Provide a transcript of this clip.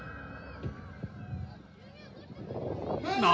何？